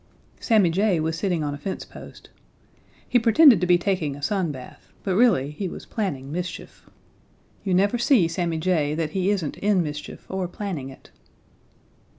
Sammy Jay was sitting on a fence post. He pretended to be taking a sun bath, but really he was planning mischief. You never see Sammy Jay that he isn't in mischief or planning it.